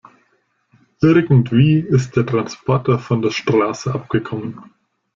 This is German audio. Irgendwie ist der Transporter von der Straße abgekommen.